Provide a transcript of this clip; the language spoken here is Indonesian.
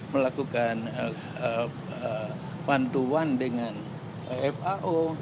melakukan one to one dengan fao